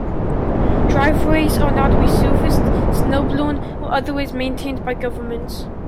Driveways are not resurfaced, snow blown or otherwise maintained by governments.